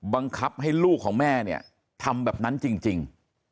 บังคับให้ลูกของแม่เนี่ยทำแบบนั้นจริง